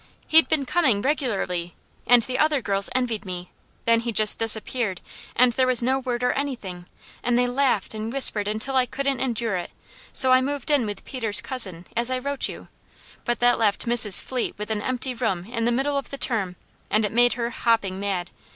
He'd been coming regularly, and the other girls envied me; then he just disappeared, and there was no word or anything, and they laughed and whispered until I couldn't endure it; so I moved in with Peter's cousin, as I wrote you; but that left Mrs. Fleet with an empty room in the middle of the term, and it made her hopping mad.